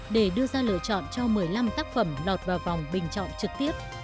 để đưa ra lựa chọn cho một mươi năm tác phẩm lọt vào vòng bình chọn trực tiếp